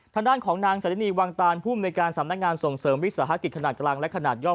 ทางด้านของนางสรณีวังตานภูมิในการสำนักงานส่งเสริมวิสาหกิจขนาดกลางและขนาดย่อม